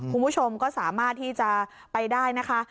คุณผู้ชมก็สามารถที่จะไปได้นะคะ